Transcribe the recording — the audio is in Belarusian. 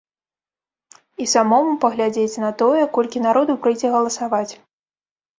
І самому паглядзець на тое, колькі народу прыйдзе галасаваць.